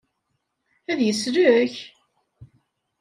Ad yeslek?